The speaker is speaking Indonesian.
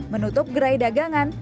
menutup gerai dagangan